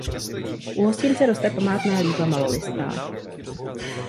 U hostince roste památná lípa malolistá.